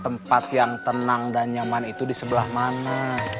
tempat yang tenang dan nyaman itu di sebelah mana